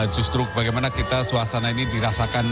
justru bagaimana kita suasana ini dirasakan